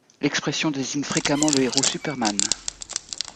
L'expression désigne fréquemment le héros Superman.